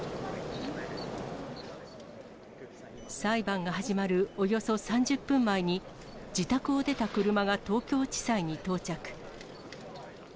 裁判が始まるおよそ３０分前に、自宅を出た車が東京地裁に到着。